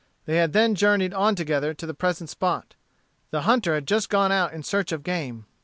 They had then journeyed on together to the present spot. The hunter had just gone out in search of game.